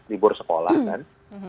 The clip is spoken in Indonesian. libur sekolah kan